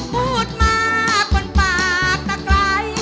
พูดมาบนปากตะไกล